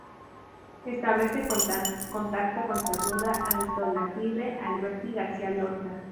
Establece contacto con Cernuda, Altolaguirre, Alberti y García Lorca.